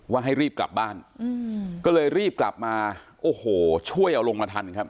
ให้รีบกลับบ้านก็เลยรีบกลับมาโอ้โหช่วยเอาลงมาทันครับ